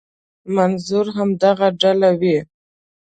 منظور همدغه ډله وي.